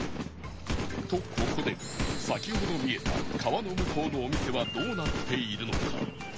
とここで先ほど見えた川の向こうのお店はどうなっているのか？